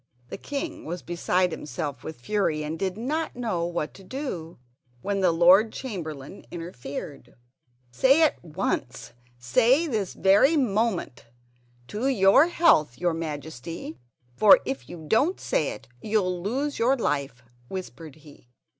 The king was beside himself with fury and did not know what to do, when the Lord Chamberlain interfered: "Say at once—say this very moment: 'To your health, your Majesty'; for if you don't say it you'll lose your life, whispered he.